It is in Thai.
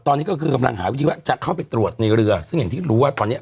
ตอนนี้ก็คือกำลังหาวิธีว่าจะเข้าไปตรวจในเรือซึ่งอย่างที่รู้ว่าตอนเนี้ย